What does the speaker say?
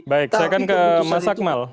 baik saya akan ke mas akmal